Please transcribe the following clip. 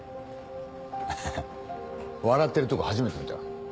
アハハ笑ってるとこ初めて見た。